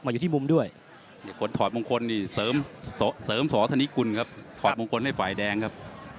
แล้วธนิคกุลครับถอดมุมกลให้ฝ่ายแดงครับ